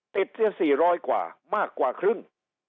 ติดเชื้อ๔๐๐กว่ามากกว่าครึ่ง